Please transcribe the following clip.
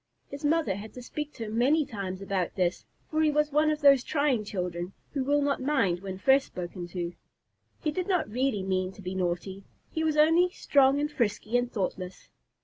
His mother had to speak to him many times about this, for he was one of those trying children who will not mind when first spoken to. He did not really mean to be naughty he was only strong and frisky and thoughtless.